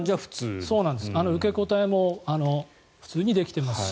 受け答えも普通にできていますし。